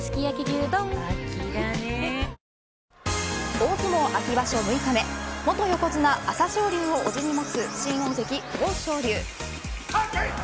大相撲秋場所六日目元横綱、朝青龍をおじに持つ新大関、豊昇龍。